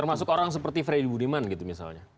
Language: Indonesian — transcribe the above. termasuk orang seperti freddy budiman gitu misalnya